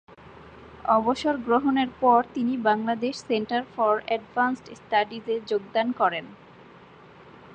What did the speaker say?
অবসরগ্রহণের পর তিনি Bangladesh centre for advanced স্টাডিজে যোগদান করেন।